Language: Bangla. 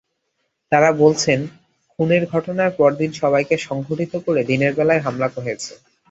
তাঁরা বলছেন, খুনের ঘটনার পরদিন সবাইকে সংগঠিত করে দিনের বেলায় হামলা হয়েছে।